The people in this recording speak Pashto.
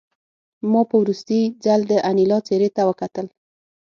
ما په وروستي ځل د انیلا څېرې ته وکتل